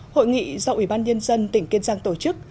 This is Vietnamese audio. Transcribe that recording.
hội nghị do ủy ban nhân dân tỉnh kiên giang tổ chức